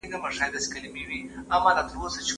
دفاع وزارت کډوالو ته ویزې نه بندوي.